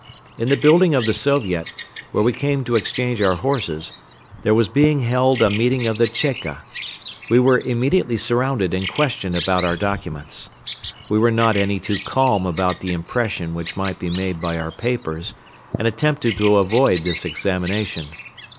In the building of the Soviet, where we came to exchange our horses, there was being held a meeting of the "Cheka." We were immediately surrounded and questioned about our documents. We were not any too calm about the impression which might be made by our papers and attempted to avoid this examination.